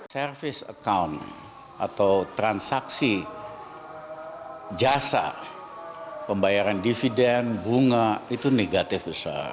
service account atau transaksi jasa pembayaran dividen bunga itu negatif besar